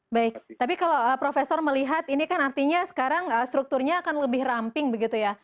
baik tapi kalau profesor melihat ini kan artinya sekarang strukturnya akan lebih ramping begitu ya